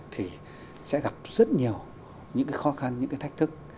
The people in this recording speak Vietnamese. thì sẽ gặp rất nhiều những cái khó khăn những cái thách thức